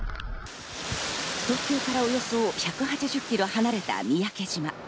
東京からおよそ１８０ｋｍ離れた三宅島。